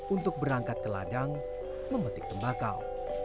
untuk berangkat ke ladang memetik tembakau